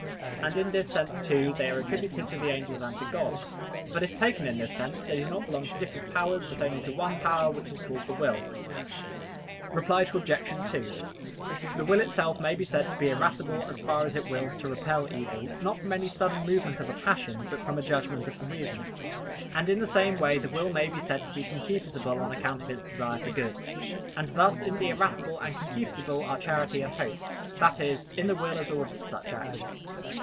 And in this sense, too, they are attributed to the angels and to God. But if taken in this sense, they do not belong to different powers, but only to one power, which is called the will. Reply Obj. 2: The will itself may be said to [be] irascible, as far as it wills to repel evil, not from any sudden movement of a passion, but from a judgment of the reason. And in the same way the will may be said to be concupiscible on account of its desire for good. And thus in the irascible and concupiscible are charity and hope that is, in the will as ordered to such acts.